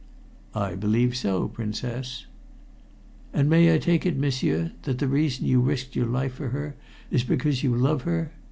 "I believe so, Princess." "And may I take it, m'sieur, that the reason you risked your life for her is because you love her?